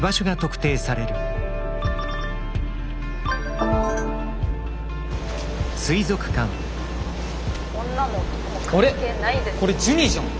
あれこれジュニじゃん。